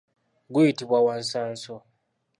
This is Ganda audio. Guyitibwa wansanso.